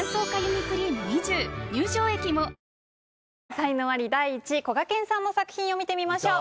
才能アリ第１位こがけんさんの作品を見てみましょう。